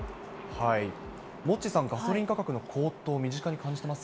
モッチーさん、ガソリン価格の高騰、身近に感じてます？